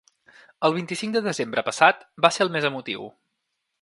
El vint-i-cinc de desembre passat va ser el més emotiu.